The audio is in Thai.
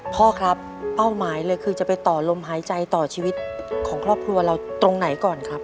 พ่อครับเป้าหมายเลยคือจะไปต่อลมหายใจต่อชีวิตของครอบครัวเราตรงไหนก่อนครับ